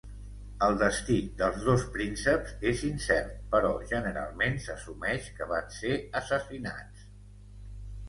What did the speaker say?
El destí dels dos prínceps és incert, però generalment s'assumeix que van ser assassinats.